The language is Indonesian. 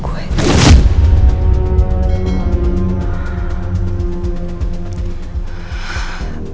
aku juga gak mumpung